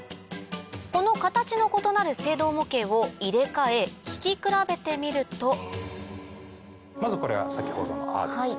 この形の異なる声道模型を入れ替え聞き比べてみるとまずこれは先ほどの「ア」ですよ。